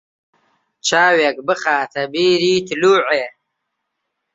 چاوێک بخاتە بیری تلووعێ